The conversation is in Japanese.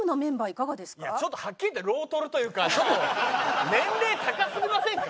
いやちょっとはっきり言ってロートルというかちょっと年齢高すぎませんか？